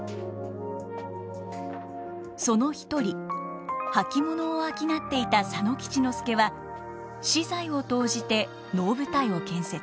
その一人履物を商っていた佐野吉之助は私財を投じて能舞台を建設。